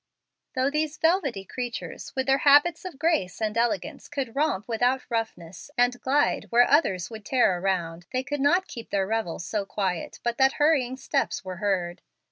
Though these velvety creatures with their habits of grace and elegance could romp without roughness, and glide where others would tear around, they could not keep their revel so quiet but that hurrying steps were heard.